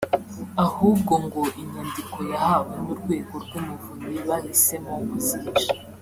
ahubwo ngo inyandiko yahawe n’Urwego rw’Umuvunyi bahisemo kuzihisha